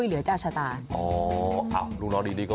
เรื่องของโชคลาบนะคะ